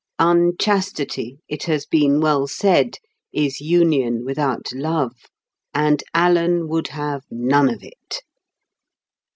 Unchastity, it has been well said, is union without love; and Alan would have none of it.